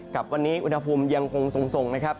กับวันนี้อุณหภูมิยังคงทรงนะครับ